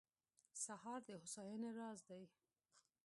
سهار د هوساینې راز دی.